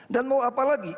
dan mau apa lagi